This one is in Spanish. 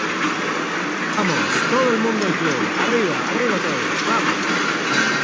¡ vamos! ¡ todo el mundo al club !¡ arriba, arriba todos , vamos !